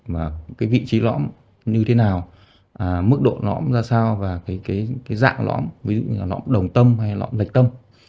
và cái vị trí lõng như thế nào mức độ lõng ra sao và cái dạng lõng ví dụ như là lõng đồng tâm hay lõng lệch tâm